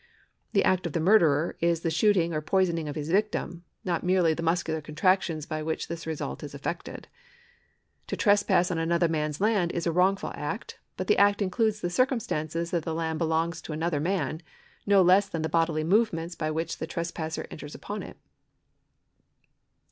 The act of the murderer is the shooting or poisoning of his victim, not merely the muscular contractions by which this result is effected. To trespass on another man's land is a wrongful act ; but the act includes the circumstance that the land belongs to another man, no less than the bodily movements by which the tres passer enters upon it.